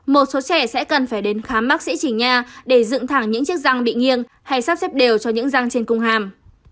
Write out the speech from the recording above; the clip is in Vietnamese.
một số trẻ sẽ cần phải đến khám bác sĩ chỉnh nha để dựng thẳng những chiếc răng bị nghiêng hay sắp xếp đều cho những răng trên cung hàm